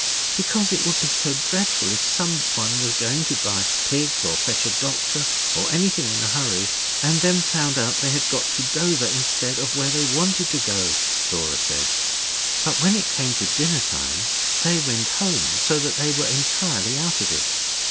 'Because it would be so dreadful if someone was going to buy pigs or fetch a doctor or anything in a hurry and then found they had got to Dover instead of where they wanted to go to,' Dora said. But when it came to dinner time they went home, so that they were entirely out of it.